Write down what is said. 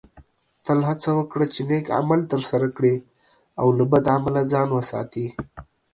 تل هڅه وکړه چې نیک عمل ترسره کړې او له بد عمله ځان وساتې